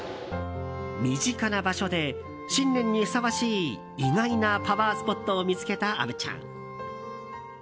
身近な場所で新年にふさわしい意外なパワースポットを見つけた虻ちゃん。